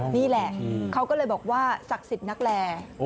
นี่แหละเขาก็เลยบอกว่าศักดิ์สิทธิ์นักแล